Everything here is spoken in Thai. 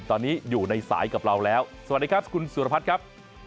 ตอนนี้อยู่ในสายกับเราแล้วสวัสดีครับคุณสุรพัฒน์ครับ